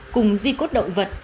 cùng di cốt động vật